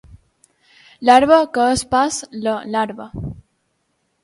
Larva que és pas “la” larva.